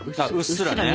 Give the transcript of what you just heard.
うっすらね。